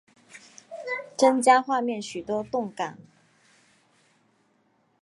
增加了画面许多动感